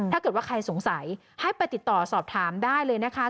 ถ้าเกิดว่าใครสงสัยให้ไปติดต่อสอบถามได้เลยนะคะ